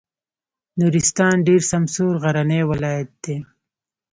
نورستان ډېر سمسور غرنی ولایت دی.